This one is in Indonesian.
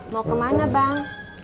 mau kemana bang